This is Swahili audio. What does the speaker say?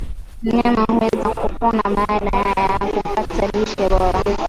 Mnyama huweza kupona baada ya kupata lishe bora